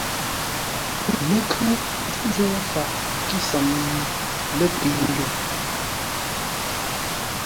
Ləkhʉŋ zə̂u faʼ kísəm yi lətəi-ndwuŋ.